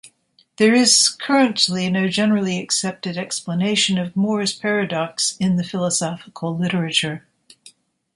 There is currently no generally accepted explanation of Moore's paradox in the philosophical literature.